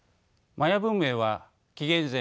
マヤ文明は紀元前